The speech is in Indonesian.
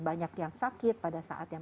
banyak yang sakit pada saat yang